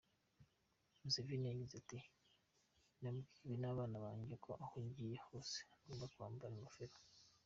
Museveni yagize ati “Nabwiwe n’abana banjye ko aho ngiye hose ngomba kwambara ingofero.